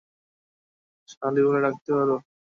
আমায় সালি বলে ডাকতে পারো।